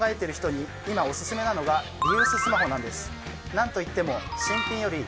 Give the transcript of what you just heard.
何といっても。